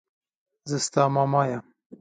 زه ستا ماما يم.